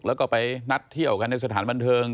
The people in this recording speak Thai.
แล้วก็ไปนัดเที่ยวกันในสถานบันเทิง